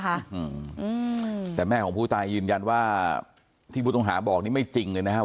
ค่ะแต่แม่ของผู้ตายยืนยันว่าที่ว่าท้องหาบอกไม่จริงเลยนะ